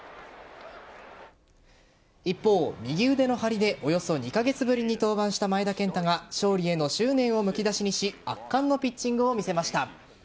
一方、右腕の張りでおよそ２カ月ぶりに登板した前田健太が勝利への執念をむき出しにし圧巻のピッチングを見せました。